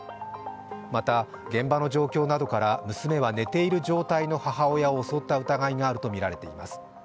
また、現場の状況などから娘は、寝ている状態の母親を襲った疑いがあるとみられています。